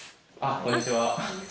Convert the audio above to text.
こんにちは。